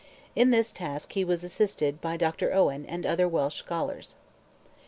In this task he was assisted by Dr. Owen and other Welsh scholars.